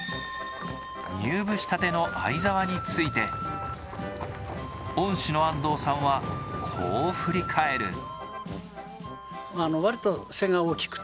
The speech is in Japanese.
入部したての相澤について恩師の安藤さんはこう振り返る。